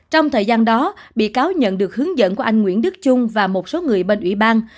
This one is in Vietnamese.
trong thời gian đó bị cáo nhận được hướng dẫn của anh nguyễn đức trung và một số người bên ủy ban